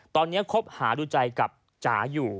ตอนนี้คบหาดูใจกับจ๋าอยู่